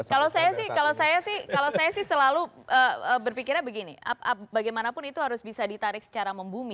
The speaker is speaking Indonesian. kalau saya sih selalu berpikirnya begini bagaimanapun itu harus bisa ditarik secara membumi